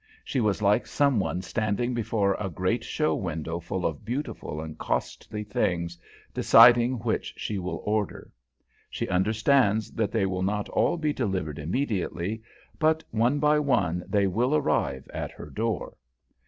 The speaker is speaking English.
She was like some one standing before a great show window full of beautiful and costly things, deciding which she will order. She understands that they will not all be delivered immediately, but one by one they will arrive at her door.